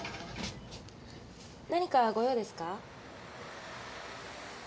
何かご用ですか？